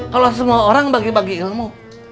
kalau semua orang bagi bagi ilmu